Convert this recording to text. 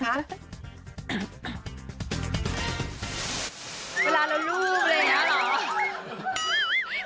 เวลาเราลูกอะไรอย่างนี้เหรอ